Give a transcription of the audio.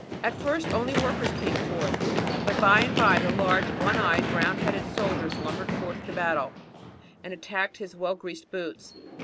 At first only workers came forth, but by and by the large, one eyed, round headed soldiers lumbered forth to battle, and attacked his well greased boots.